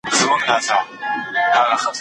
آیا د کلتور انحراف د ټولنیز اختلافي حالت عام دی؟